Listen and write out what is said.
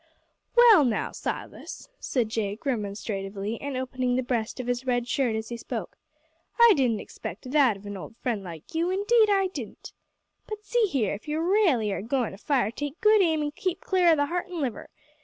"Well now, Silas," said Jake, remonstratively, and opening the breast of his red shirt as he spoke, "I didn't expect that of an old friend like you indeed I didn't. But, see here, if you raaly are goin' to fire take good aim an' keep clear o' the heart and liver.